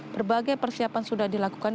berbagai persiapan sudah dilakukan